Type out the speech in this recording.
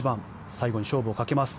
最後に勝負をかけます。